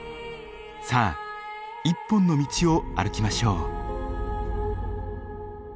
さあ一本の道を歩きましょう。